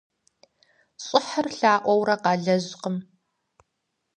ЩӀыхьыр лъаӀуэурэ къалэжькъым.